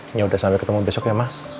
ini udah sampai ketemu besok ya mas